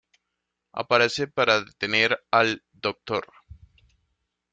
Aparece para detener al Dr.